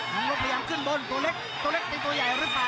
งรถพยายามขึ้นบนตัวเล็กตัวเล็กเป็นตัวใหญ่หรือเปล่า